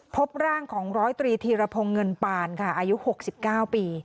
พบร่างของร้อยตรีธีรพงศ์เงินปานค่ะอายุ๖๙ปี